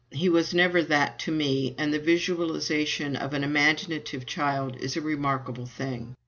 He was never that to me, and the visualization of an imaginative child is a remarkable thing.